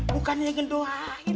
bukannya ingin doain